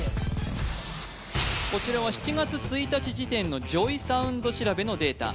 こちらは７月１日時点のＪＯＹＳＯＵＮＤ調べのデータ